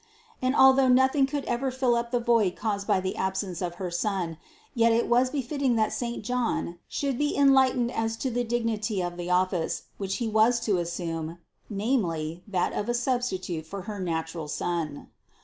And although nothing could ever fill up the void caused by the absence of her Son, yet it was befitting that saint John should be enlightened as to the dignity of the office, which he was to assume, namely, that of a substitute for her natural Son.